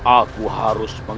aku mau kesana